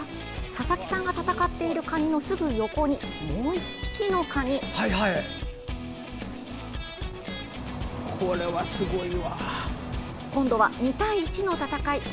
佐々木さんが戦っているカニのすぐ横に、もう１匹のカニ。今度は２対１の戦い。